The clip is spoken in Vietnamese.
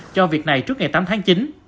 cho việc này trước ngày tám tháng chín